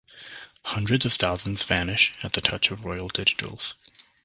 Hundreds of thousands vanish at the touch of royal digitals.